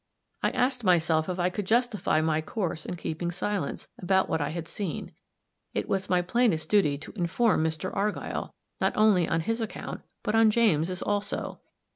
I asked myself if I could justify my course in keeping silence about what I had seen; it was my plainest duty to inform Mr. Argyll, not only on his account, but on James also.